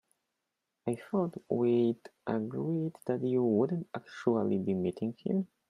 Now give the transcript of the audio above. I thought we'd agreed that you wouldn't actually be meeting him?